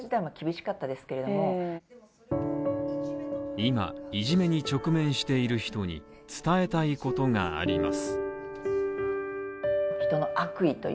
今、いじめに直面している人に伝えたいことがあります。